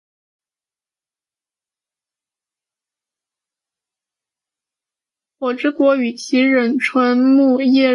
火之国与其忍者村木叶忍者村是整个故事展开的主要地点。